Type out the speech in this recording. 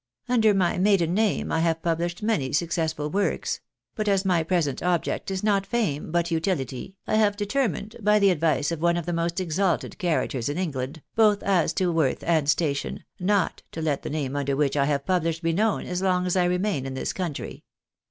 Under my maiden name I have published many successful works ; but, as my present object is not fame, but utility, I have determined, by the advice of one of the most exalted characters in England, both as to worth and station, not to let the name under which I have published be known as long as I remain in this country.